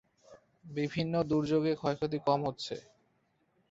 বিভিন্ন দূর্যোগে ক্ষয়ক্ষতি কম হচ্ছে।